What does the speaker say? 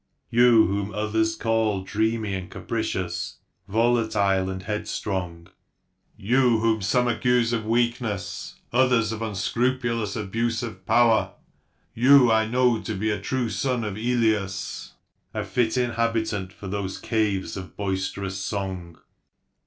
You whom others call dreamy and capricious, volatile and headstrong, you whom some accuse of weakness, others of unscrupulous abuse of power, you I know to be a true son of ^Eolus, a fit inhabitant for those caves of boisterous song."